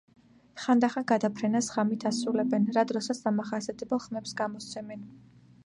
ხანდახან გადაფრენას ღამით ასრულებენ, რა დროსაც დამახასიათებელ ხმებს გამოსცემენ.